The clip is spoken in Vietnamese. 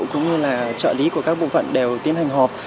cũng như là trợ lý của các bộ phận đều tiến hành họp